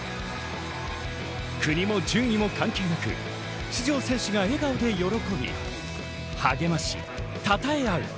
国も順位も関係なく出場選手が笑顔で喜び、励まし、たたえあう。